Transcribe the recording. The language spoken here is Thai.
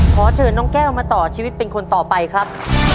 ขอเชิญน้องแก้วมาต่อชีวิตเป็นคนต่อไปครับ